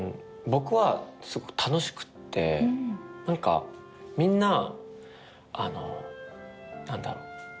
僕はすごく楽しくって何かみんなあの何だろう